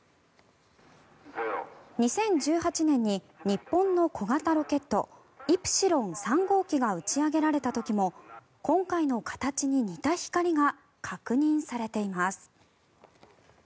２０１８年に日本の小型ロケットイプシロン３号機が打ち上げられた時も今回の形に似た光が確認されています。